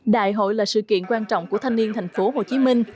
đại hội là sự kiện quan trọng của thanh niên thành phố hồ chí minh